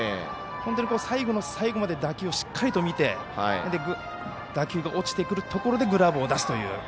本当に最後の最後まで打球をしっかり見て打球が落ちてくるところでグラブを出すという。